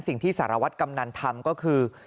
สิ่งที่สารวัตรกำนันทำก็คือ